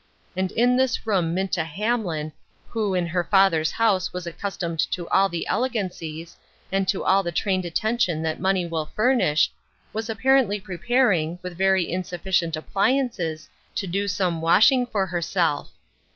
And in this room Minta Hamlin, who in her father's house was accustomed to all the elegancies, and to all the trained attention that money will fur nish, was evidently preparing, with very insufficient appliances, to do some washing for herself.